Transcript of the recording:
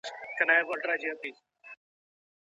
ولي د فاميل ستاينه دومره ارزښت لري؟